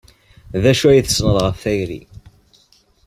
D acu ay tessneḍ ɣef tayri?